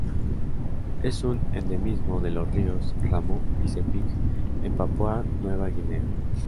Es un endemismo de los ríos Ramu y Sepik en Papúa Nueva Guinea.